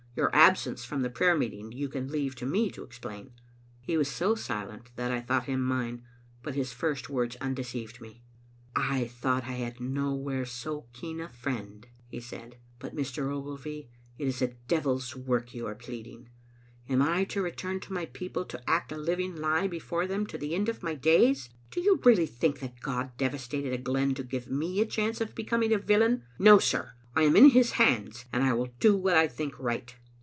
Your absence from the prayer meeting you can leave to me to explain. " He was so silent that I thought him mine, but his first words undeceived me. " I thought I had nowhere so keen a friend," he said; "but, Mr. Ogilvy, it is devil's work you are pleading. Am I to return to my people to act a living lie before them to the end of my days? Do you really think that God devastated a glen to give me a chance of becoming a villain? No, sir, I am in His hands, and I will do what I think right."